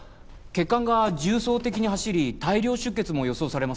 血管が重層的に走り大量出血も予想されます。